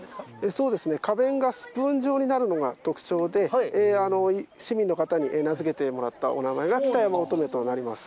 そうですね、花弁がスプーン状になるのが特徴で、市民の方に名付けてもらったお名前が北山乙女となります。